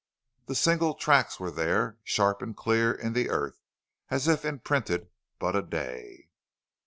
The single tracks were there, sharp and clear in the earth, as if imprinted but a day.